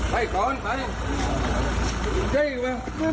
ไปดีที่